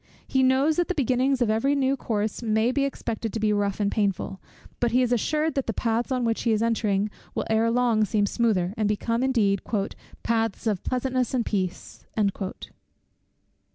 He knows that the beginnings of every new course may be expected to be rough and painful; but he is assured that the paths on which he is entering will ere long seem smoother, and become indeed "paths of pleasantness and peace."